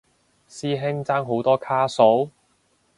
師兄爭好多卡數？